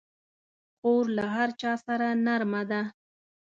خور له هر چا سره نرمه ده.